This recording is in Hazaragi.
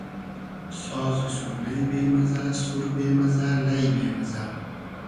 ساز و سورنݷ بې مئزۂ, سور بې مئزۂ ,لݷ بې مئزۂ